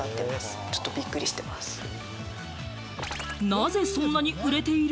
なぜそんなに売れている？